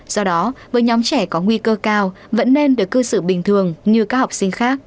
do đó với nhóm trẻ có nguy cơ cao vẫn nên được cư xử bình thường như các học sinh khác